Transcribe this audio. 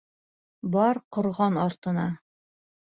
Бар ҡорған артына!